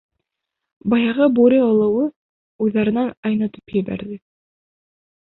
Баяғы бүре олоуы уйҙарынан айнытып ебәрҙе.